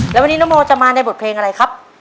แล้ววันนี้นโมจะมาในบทเพลงอะไรครับ